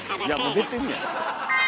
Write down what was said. もう出てるやん。